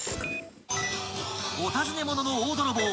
［お尋ね者の大泥棒］